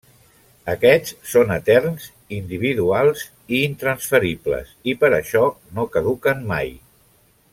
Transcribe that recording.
Aquests són eterns, individuals i intransferibles i per això no caduquen mai.